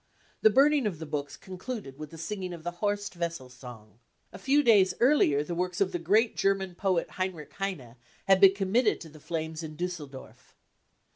The burning of the books concluded with the singing of the Horst Wessel song." A few days earlier the works of the great German poet Heinrich Heine had been committed to the flames in Diisseldorf.